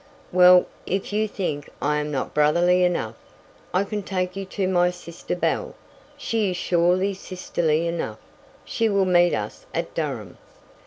"Well, if you think I am not brotherly enough, I can take you to my sister Belle. She is surely sisterly enough she will meet us at Durham."